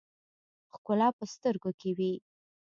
ښکلا په سترګو کښې وي